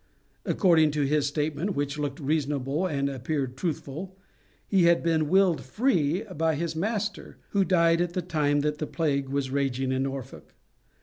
According to his statement, which looked reasonable and appeared truthful, he had been willed free by his master, who died at the time that the plague was raging in Norfolk.